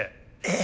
え！